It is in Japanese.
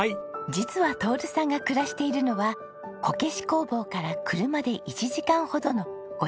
実は徹さんが暮らしているのはこけし工房から車で１時間ほどのご自宅です。